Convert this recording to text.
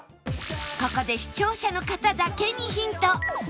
ここで視聴者の方だけにヒント